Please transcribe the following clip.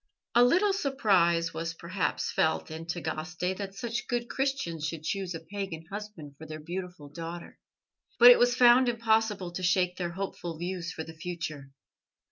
A little surprise was perhaps felt in Tagaste that such good Christians should choose a pagan husband for their beautiful daughter, but it was found impossible to shake their hopeful views for the future.